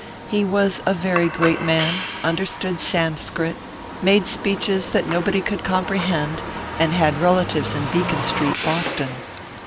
He was a very great man, understood Sanscrit, made speeches that nobody could comprehend, and had relatives in Beacon street, Bos ton.